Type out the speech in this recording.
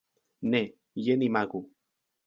Ne, jen imagu!